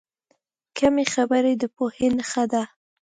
کمې خبرې، د پوهې نښه ده.